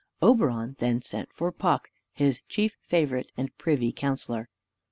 Oberon then sent for Puck, his chief favorite and privy counselor.